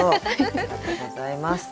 ありがとうございます。